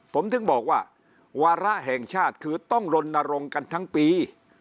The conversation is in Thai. ผมถึงบอกว่าวาระแห่งชาติคือต้องลนรงค์กันทั้งปี